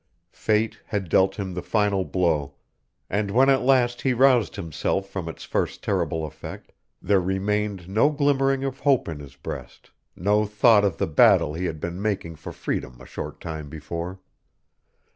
Fate had dealt him the final blow, and when at last he roused himself from its first terrible effect there remained no glimmering of hope in his breast, no thought of the battle he had been making for freedom a short time before.